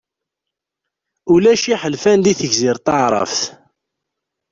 Ulac iḥelfan deg Tegzirt Taεrabt.